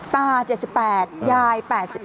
ตา๗๘ยาย๘๕